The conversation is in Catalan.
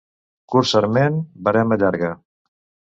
Curt sarment, verema llarga.